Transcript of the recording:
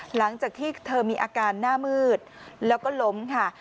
หลังจากที่เธอมีอาการหน้ามืดแล้วก็ล้มค่ะ